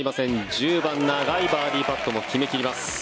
１０番長いバーディーパットも決め切ります。